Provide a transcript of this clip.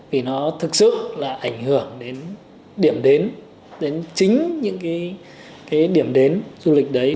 vì nó thực sự là ảnh hưởng đến điểm đến đến chính những điểm đến du lịch đấy